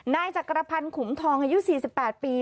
และกระพันหุ่มทองอายุ๔๘ปี